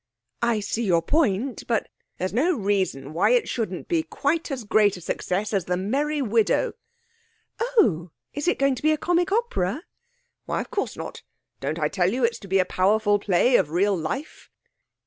'I see your point. But ' 'There's no reason why it shouldn't be quite as great a success as The Merry Widow.' 'Oh, is it going to be a comic opera?' 'Why, of course not. Don't I tell you it's to be a powerful play of real life.'